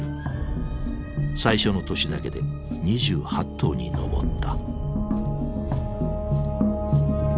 最初の年だけで２８頭に上った。